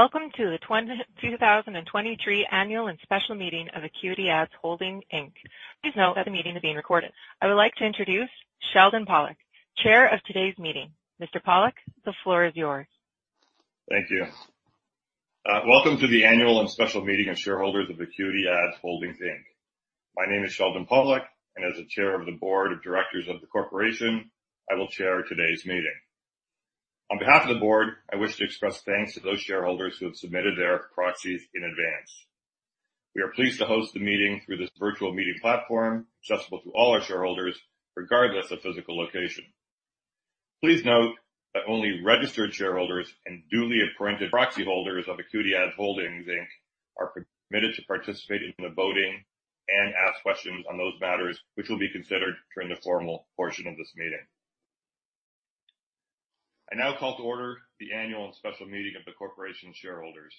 Welcome to the 2023 Annual and Special Meeting of AcuityAds Holdings Inc. Please note that the meeting is being recorded. I would like to introduce Sheldon Pollack, chair of today's meeting. Mr. Pollack, the floor is yours. Thank you. Welcome to the Annual and Special Meeting of Shareholders of AcuityAds Holdings Inc. My name is Sheldon Pollack, and as the Chair of the Board of Directors of the corporation, I will chair today's meeting. On behalf of the board, I wish to express thanks to those shareholders who have submitted their proxies in advance. We are pleased to host the meeting through this virtual meeting platform, accessible to all our shareholders, regardless of physical location. Please note that only registered shareholders and duly appointed proxy holders of AcuityAds Holdings Inc. are permitted to participate in the voting and ask questions on those matters, which will be considered during the formal portion of this meeting. I now call to order the annual and special meeting of the corporation shareholders.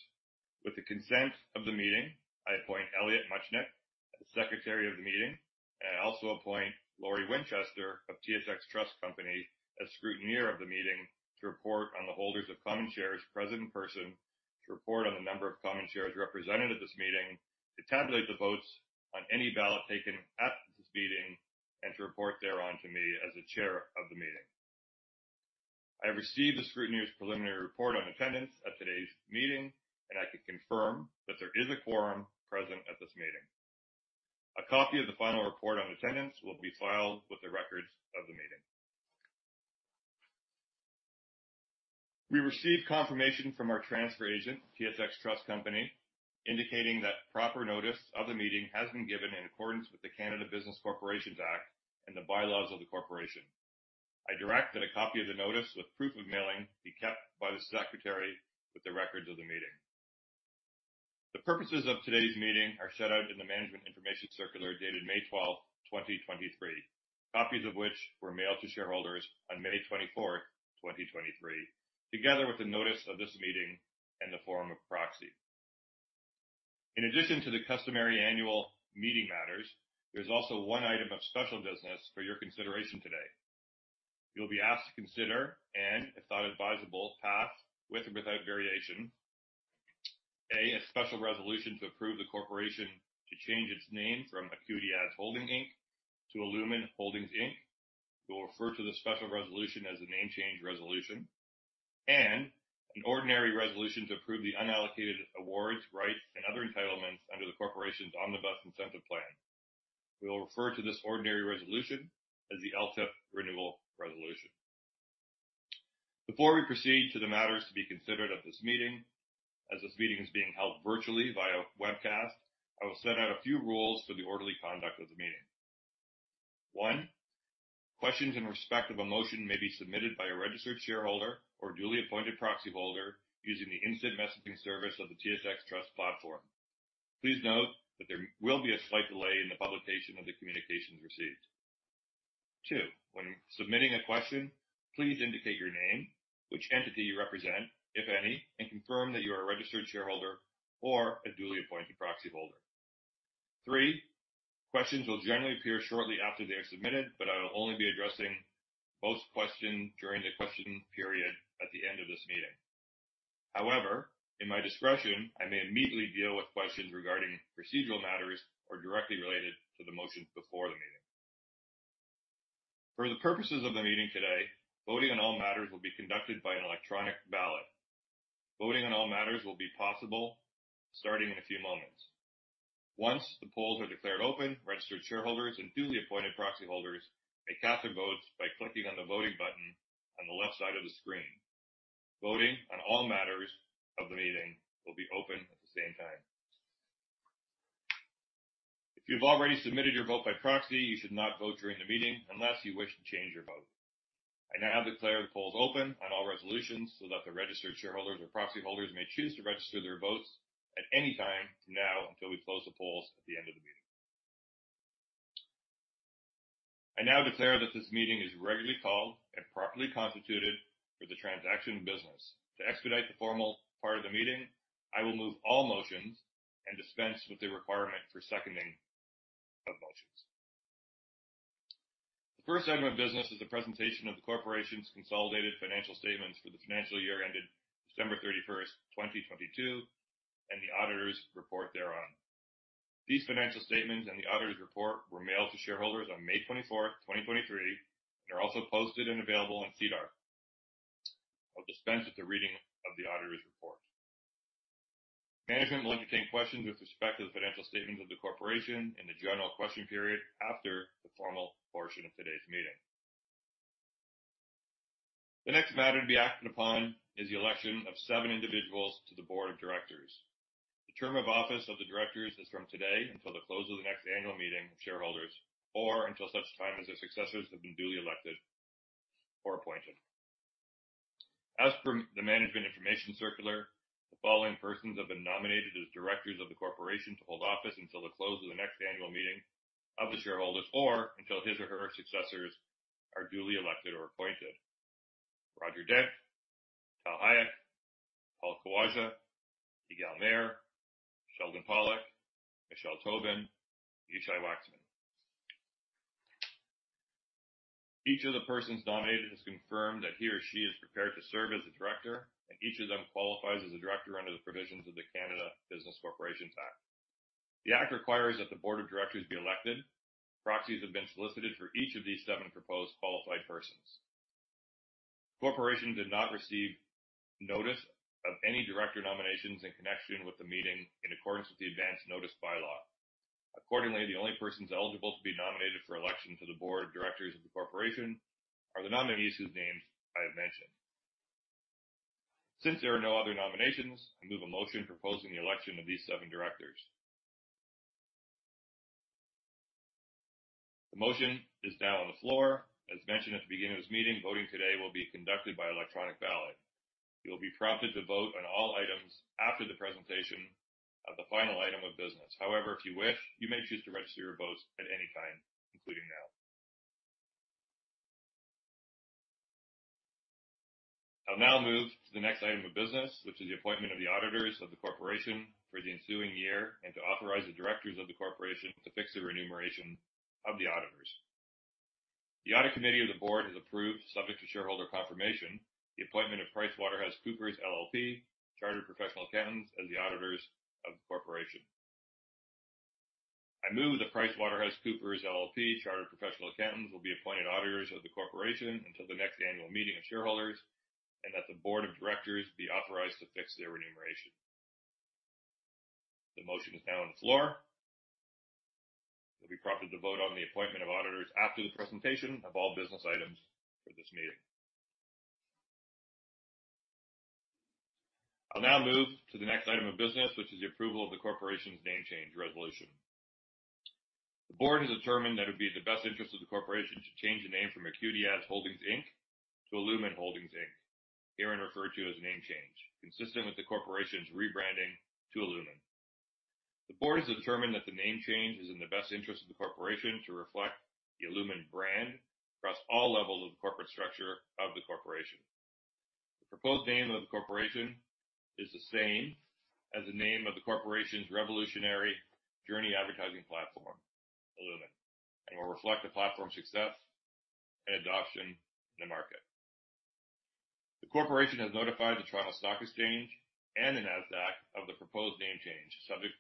With the consent of the meeting, I appoint Elliot Muchnik as Secretary of the meeting, and I also appoint Lori Winchester of TSX Trust Company as scrutineer of the meeting to report on the holders of common shares present in person, to report on the number of common shares represented at this meeting, to tabulate the votes on any ballot taken at this meeting, and to report thereon to me as the chair of the meeting. I have received the scrutineer's preliminary report on attendance at today's meeting, and I can confirm that there is a quorum present at this meeting. A copy of the final report on attendance will be filed with the records of the meeting. We received confirmation from our transfer agent, TSX Trust Company, indicating that proper notice of the meeting has been given in accordance with the Canada Business Corporations Act and the bylaws of the corporation. I direct that a copy of the notice with proof of mailing be kept by the Secretary with the records of the meeting. The purposes of today's meeting are set out in the Management Information Circular, dated May 12, 2023. Copies of which were mailed to shareholders on May 24, 2023, together with the notice of this meeting and the form of proxy. In addition to the customary annual meeting matters, there's also one item of special business for your consideration today. You'll be asked to consider, and if thought advisable, pass with or without variation, A. a special resolution to approve the corporation to change its name from AcuityAds Holdings Inc. to illumin Holdings Inc. We'll refer to the special resolution as the name change resolution. An ordinary resolution to approve the unallocated awards, rights, and other entitlements under the corporation's Omnibus Incentive Plan. We will refer to this ordinary resolution as the LTIP Renewal Resolution. Before we proceed to the matters to be considered at this meeting, as this meeting is being held virtually via webcast, I will set out a few rules for the orderly conduct of the meeting. One, questions in respect of a motion may be submitted by a registered shareholder or duly appointed proxy holder using the instant messaging service of the TSX Trust platform. Please note that there will be a slight delay in the publication of the communications received. Two, when submitting a question, please indicate your name, which entity you represent, if any, and confirm that you are a registered shareholder or a duly appointed proxy holder. three, questions will generally appear shortly after they are submitted, but I will only be addressing most questions during the question period at the end of this meeting. However, in my discretion, I may immediately deal with questions regarding procedural matters or directly related to the motions before the meeting. For the purposes of the meeting today, voting on all matters will be conducted by an electronic ballot. Voting on all matters will be possible starting in a few moments. Once the polls are declared open, registered shareholders and duly appointed proxy holders may cast their votes by clicking on the voting button on the left side of the screen. Voting on all matters of the meeting will be open at the same time. If you've already submitted your vote by proxy, you should not vote during the meeting unless you wish to change your vote. I now declare the polls open on all resolutions so that the registered shareholders or proxy holders may choose to register their votes at any time now, until we close the polls at the end of the meeting. I now declare that this meeting is regularly called and properly constituted for the transaction of business. To expedite the formal part of the meeting, I will move all motions and dispense with the requirement for seconding of motions. The first item of business is the presentation of the corporation's consolidated financial statements for the financial year ended December thirty-first, 2022, and the auditor's report thereon. These financial statements and the auditor's report were mailed to shareholders on May 24th, 2023, are also posted and available on SEDAR. I'll dispense with the reading of the auditor's report. Management will entertain questions with respect to the financial statements of the corporation in the general question period after the formal portion of today's meeting. The next matter to be acted upon is the election of seven individuals to the board of directors. The term of office of the directors is from today until the close of the next annual meeting of shareholders, until such time as their successors have been duly elected or appointed. As per the Management Information Circular, the following persons have been nominated as directors of the corporation to hold office until the close of the next annual meeting of the shareholders, or until his or her successors are duly elected or appointed. Roger Dent, Tal Hayek, Paul Khawaja, Yigal Meir, Sheldon Pollack, Michele Tobin, Yishay Waxman.... Each of the persons nominated has confirmed that he or she is prepared to serve as a director, and each of them qualifies as a director under the provisions of the Canada Business Corporations Act. The act requires that the board of directors be elected. Proxies have been solicited for each of these seven proposed qualified persons. Corporation did not receive notice of any director nominations in connection with the meeting in accordance with the advance notice bylaw. Accordingly, the only persons eligible to be nominated for election to the board of directors of the corporation are the nominees whose names I have mentioned. Since there are no other nominations, I move a motion proposing the election of these seven directors. The motion is now on the floor. As mentioned at the beginning of this meeting, voting today will be conducted by electronic ballot. You will be prompted to vote on all items after the presentation of the final item of business. However, if you wish, you may choose to register your votes at any time, including now. I'll now move to the next item of business, which is the appointment of the auditors of the corporation for the ensuing year, and to authorize the directors of the corporation to fix the remuneration of the auditors. The audit committee of the board has approved, subject to shareholder confirmation, the appointment of PricewaterhouseCoopers LLP, Chartered Professional Accountants, as the auditors of the corporation. I move that PricewaterhouseCoopers LLP, Chartered Professional Accountants, will be appointed auditors of the corporation until the next annual meeting of shareholders, and that the board of directors be authorized to fix their remuneration. The motion is now on the floor. You'll be prompted to vote on the appointment of auditors after the presentation of all business items for this meeting. I'll now move to the next item of business, which is the approval of the corporation's name change resolution. The board has determined that it would be in the best interest of the corporation to change the name from AcuityAds Holdings Inc. to illumin Holdings Inc., herein referred to as Name Change, consistent with the corporation's rebranding to illumin. The board has determined that the name change is in the best interest of the corporation to reflect the illumin brand across all levels of the corporate structure of the corporation. The proposed name of the corporation is the same as the name of the corporation's revolutionary journey advertising platform, illumin, and will reflect the platform's success and adoption in the market. The corporation has notified the Toronto Stock Exchange and the Nasdaq of the proposed name change, subject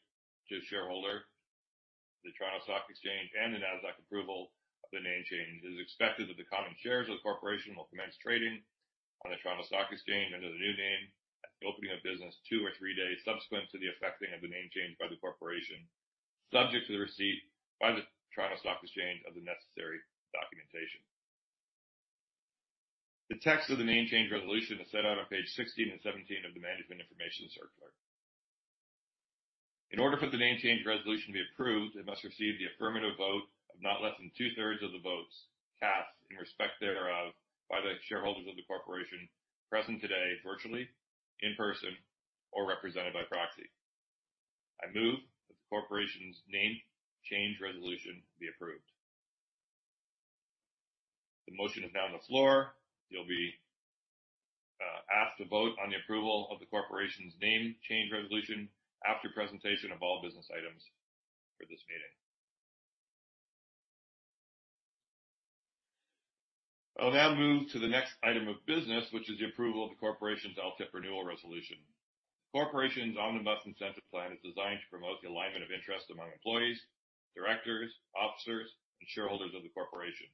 to shareholder, the Toronto Stock Exchange, and the Nasdaq approval of the name change. It is expected that the common shares of the corporation will commence trading on the Toronto Stock Exchange under the new name at the opening of business two or three days subsequent to the effecting of the name change by the corporation, subject to the receipt by the Toronto Stock Exchange of the necessary documentation. The text of the name change resolution is set out on page 16 and 17 of the Management Information Circular. In order for the name change resolution to be approved, it must receive the affirmative vote of not less than two-thirds of the votes cast in respect thereof by the shareholders of the corporation present today, virtually, in person, or represented by proxy. I move that the corporation's name change resolution be approved. The motion is now on the floor. You'll be asked to vote on the approval of the corporation's name change resolution after presentation of all business items for this meeting. I'll now move to the next item of business, which is the approval of the corporation's LTIP renewal resolution. The corporation's Omnibus Incentive Plan is designed to promote the alignment of interests among employees, directors, officers, and shareholders of the corporation.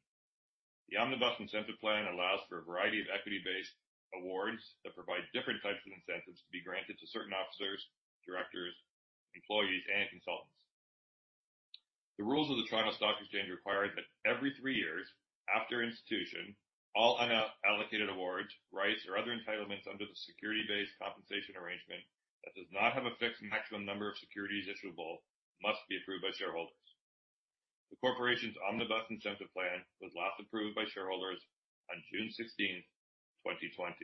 The Omnibus Incentive Plan allows for a variety of equity-based awards that provide different types of incentives to be granted to certain officers, directors, employees, and consultants. The rules of the Toronto Stock Exchange require that every three years after institution, unallocated awards, rights, or other entitlements under the security-based compensation arrangement that does not have a fixed maximum number of securities issuable must be approved by shareholders. The corporation's Omnibus Incentive Plan was last approved by shareholders on June 16, 2020.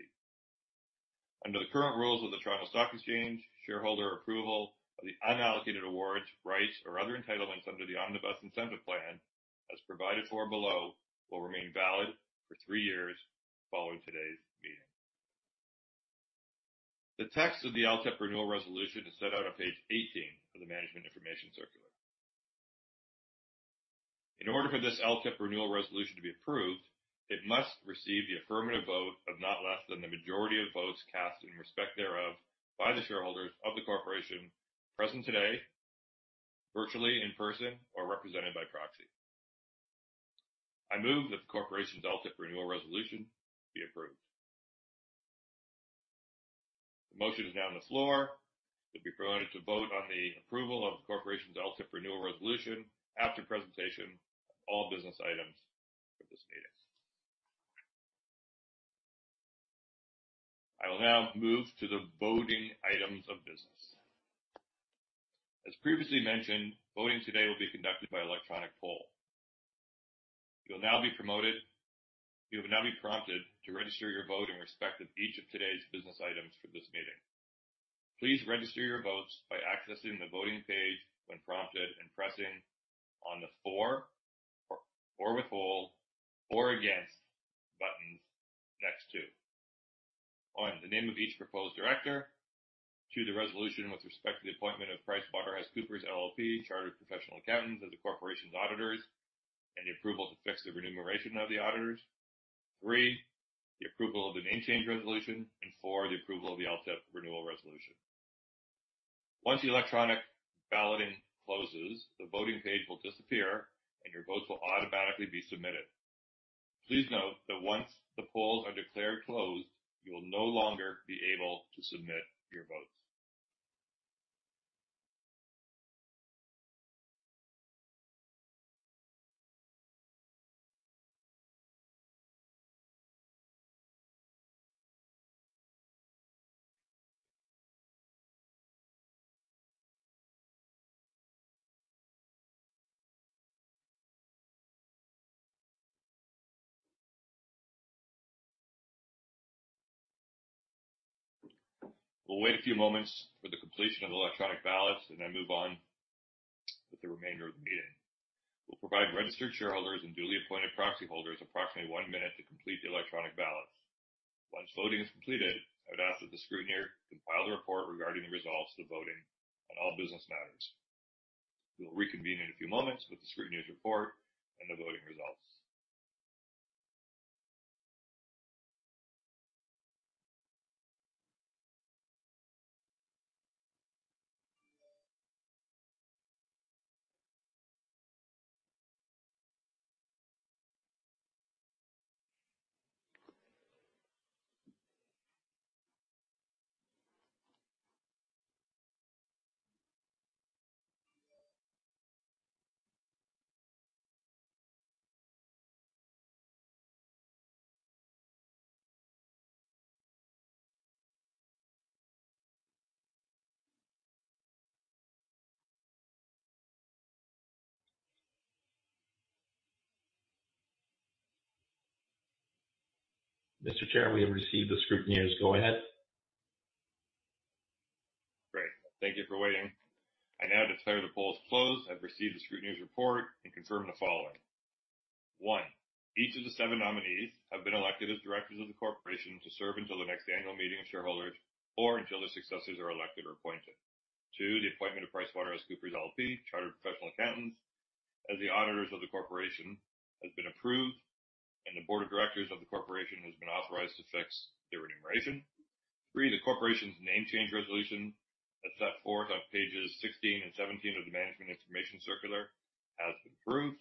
Under the current rules of the Toronto Stock Exchange, shareholder approval of the unallocated awards, rights, or other entitlements under the Omnibus Incentive Plan, as provided for below, will remain valid for three years following today's meeting. The text of the LTIP renewal resolution is set out on page 18 of the Management Information Circular. In order for this LTIP renewal resolution to be approved, it must receive the affirmative vote of not less than the majority of votes cast in respect thereof by the shareholders of the corporation present today, virtually, in person, or represented by proxy. I move that the corporation's LTIP renewal resolution be approved. The motion is now on the floor. You'll be permitted to vote on the approval of the corporation's LTIP renewal resolution after presentation of all business items for this meeting. I will now move to the voting items of business. As previously mentioned, voting today will be conducted by electronic poll. You will now be prompted to register your vote in respect of each of today's business items for this meeting. Please register your votes by accessing the voting page when prompted and pressing on the for, or for withhold, or against buttons next to: one, the name of each proposed director. two, the resolution with respect to the appointment of PricewaterhouseCoopers LLP, Chartered Professional Accountants, as the corporation's auditors, and the approval to fix the remuneration of the auditors. three, the approval of the name change resolution, and four, the approval of the LTIP renewal resolution. Once the electronic balloting closes, the voting page will disappear, and your votes will automatically be submitted. Please note that once the polls are declared closed, you will no longer be able to submit your votes. We'll wait a few moments for the completion of the electronic ballots and then move on with the remainder of the meeting. We'll provide registered shareholders and duly appointed proxy holders approximately one minute to complete the electronic ballots. Once voting is completed, I would ask that the scrutineer compile the report regarding the results of the voting on all business matters. We'll reconvene in a few moments with the scrutineer's report and the voting results. Mr. Chair, we have received the scrutineer's. Go ahead. Great, thank you for waiting. I now declare the polls closed. I've received the scrutineer's report and confirm the following. one, each of the seven nominees have been elected as directors of the corporation to serve until the next annual meeting of shareholders or until their successors are elected or appointed. two, the appointment of PricewaterhouseCoopers LLP, Chartered Professional Accountants, as the auditors of the corporation, has been approved, and the board of directors of the corporation has been authorized to fix their remuneration. three, the corporation's name change resolution, as set forth on pages 16 and 17 of the Management Information Circular, has been approved.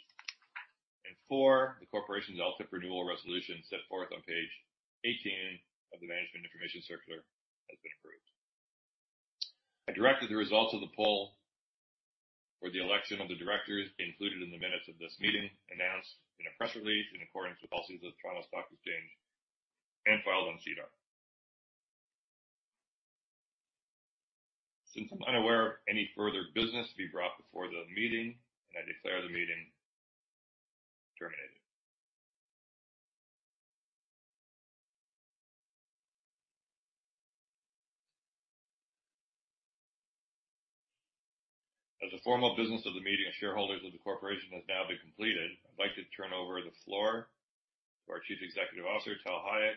four, the corporation's LTIP renewal resolution, set forth on page 18 of the Management Information Circular, has been approved. I direct that the results of the poll for the election of the directors be included in the minutes of this meeting, announced in a press release in accordance with policies of the Toronto Stock Exchange, and filed on SEDAR. Since I'm unaware of any further business to be brought before the meeting, I declare the meeting terminated. As the formal business of the meeting of shareholders of the corporation has now been completed, I'd like to turn over the floor to our Chief Executive Officer, Tal Hayek,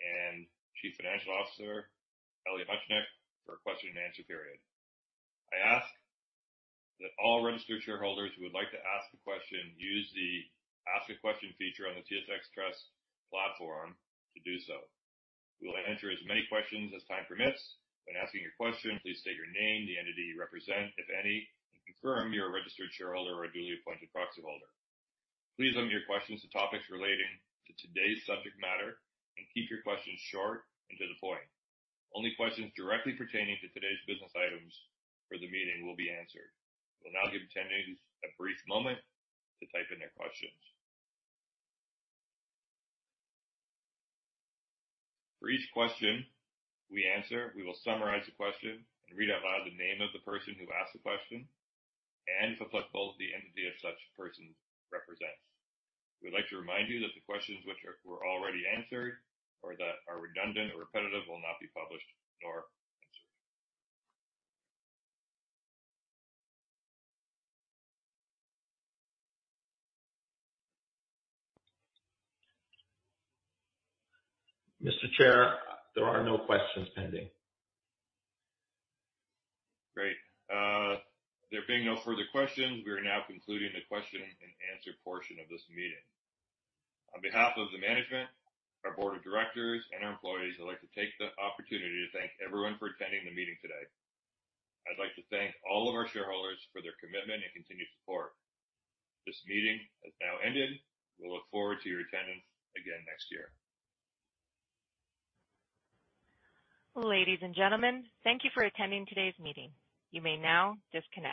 and Chief Financial Officer, Elliot Muchnik, for a question and answer period. I ask that all registered shareholders who would like to ask a question, use the Ask a Question feature on the TSX Trust platform to do so. We will answer as many questions as time permits. When asking your question, please state your name, the entity you represent, if any, and confirm you're a registered shareholder or a duly appointed proxy holder. Please limit your questions to topics relating to today's subject matter and keep your questions short and to the point. Only questions directly pertaining to today's business items for the meeting will be answered. We'll now give attendees a brief moment to type in their questions. For each question we answer, we will summarize the question and read out loud the name of the person who asked the question, and, if applicable, the entity of such person represents. We'd like to remind you that the questions which were already answered or that are redundant or repetitive will not be published nor answered. Mr. Chair, there are no questions pending. Great. There being no further questions, we are now concluding the question and answer portion of this meeting. On behalf of the management, our board of directors, and our employees, I'd like to take the opportunity to thank everyone for attending the meeting today. I'd like to thank all of our shareholders for their commitment and continued support. This meeting has now ended. We look forward to your attendance again next year. Ladies and gentlemen, thank you for attending today's meeting. You may now disconnect.